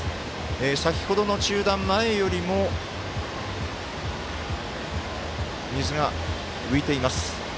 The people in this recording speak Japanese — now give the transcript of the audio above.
先ほどの中断前よりも水が浮いています。